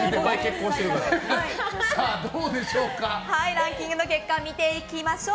ランキングの結果見ていきましょう。